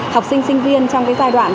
học sinh sinh viên trong giai đoạn